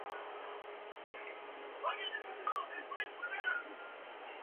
La canción hace referencia al milagro de caminar sobre el agua.